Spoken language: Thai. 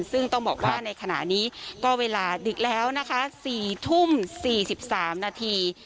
ซึ่งต้องบอกว่าในขณะนี้ก็เวลาดึกแล้วนะคะ๔ทุ่ม๔๓นาที